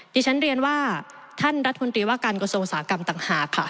ดิฉันเรียนว่าท่านรัฐมนตรีว่าการกระทรวงอุตสาหกรรมต่างหากค่ะ